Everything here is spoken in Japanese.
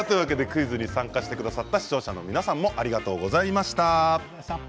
クイズに参加してくださった視聴者の皆様ありがとうございました。